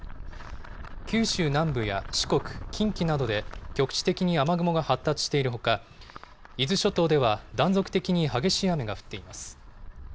九州南部や四国、近畿などで局地的に雨雲が発達しているほか、伊豆諸島では断続的に激しい雨が降っています。